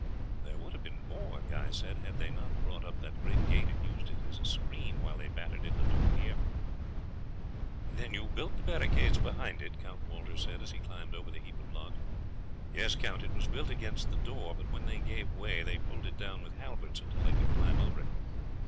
"There would have been more," Guy said, "had they not brought up that great gate and used it as a screen while they battered in the door here." "Then you built the barricade behind it?" Count Walter said as he climbed over the heap of logs. "Yes, Count, it was built against the door, but when that gave way they pulled it down with halberts until they could climb over it.